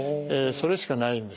それしかないんですね。